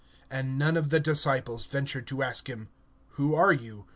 And none of the disciples durst ask him, Who art thou?